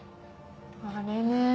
あれね。